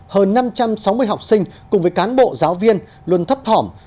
hơn năm trăm sáu mươi học sinh cùng với cán bộ giáo viên luôn thấp thỏm